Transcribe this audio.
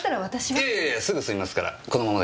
いえいえすぐ済みますからこのままで結構ですよ。